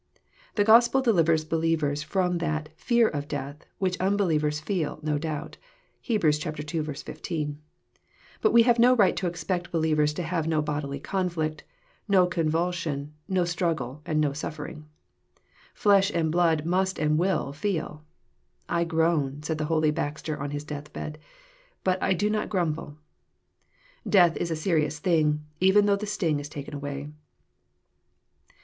The Gospel delivers believers f^om that <' fear of death " which unbelievers feel, no doubt. (Heb. ii. 15.) But we have no right to expect believers to have no bodily conflict, no convulsion, no struggle, and no suffering. Flesh and blood must and will feel. '' I groan," said holy Baxter on his death bed, '' but I do not grumble." Death is a serious thing, even though the sting is taken away.